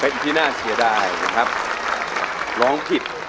เป็นที่น่าเสียดายนะครับร้องผิด